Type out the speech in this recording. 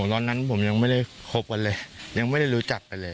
ตอนนั้นผมยังไม่ได้คบกันเลยยังไม่ได้รู้จักกันเลย